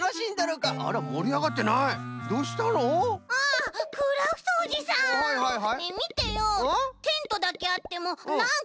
うん。